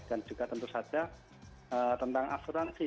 dan juga tentu saja tentang asuransi